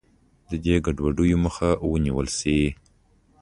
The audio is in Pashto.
د دې ګډوډیو مخه ونیول شي.